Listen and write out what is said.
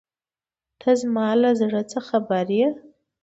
ته زما له زړۀ څه خبر یې.